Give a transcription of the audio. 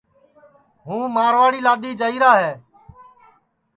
ہُوں مارواڑی لادؔی جائیرا ہے